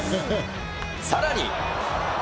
さらに。